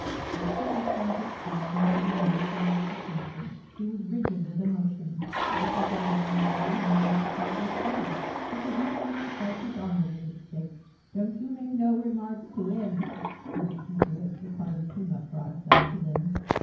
Mr. Hoopdriver stared into the Immensity of the Future. He was rigid with emotion. It was like abusing the Lions in Trafalgar Square. But the heathkeeper felt his honour was at stake. "Don't you make no remarks to 'IM," said the keeper as the carter came up broadside to them.